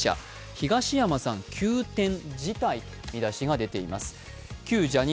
「東山さん急転辞退」という見出しが出ています